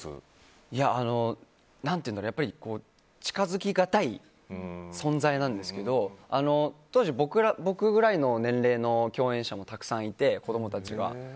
やっぱり近づきがたい存在なんですけど当時、僕ぐらいの年齢の共演者もたくさんいて、子供たちが。